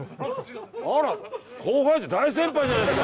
あら後輩大先輩じゃないですか。